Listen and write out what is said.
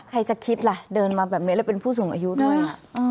ใครจะคิดล่ะเดินมาแบบนี้แล้วเป็นผู้สูงอายุด้วย